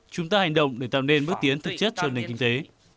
chúng ta hành động để tạo nên bước tiến thực chất cho nền kinh tế